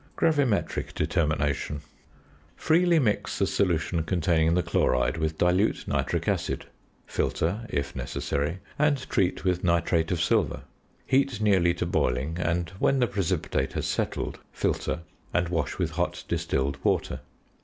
GRAVIMETRIC DETERMINATION. Freely mix the solution containing the chloride with dilute nitric acid, filter (if necessary), and treat with nitrate of silver. Heat nearly to boiling, and, when the precipitate has settled, filter, and wash with hot distilled water.